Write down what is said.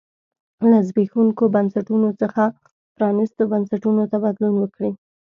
له زبېښونکو بنسټونو څخه پرانیستو بنسټونو ته بدلون وکړي.